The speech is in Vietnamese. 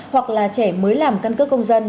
hoặc là trẻ mới làm căn cước công dân